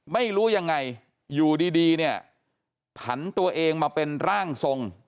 ไม่รู้ยังไงอยู่ดีเนี่ยผันตัวเองมาเป็นร่างทรง